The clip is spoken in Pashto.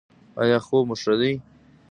ایا خوب مو ښه دی؟